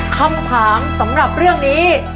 คำถามสำหรับเรื่องนี้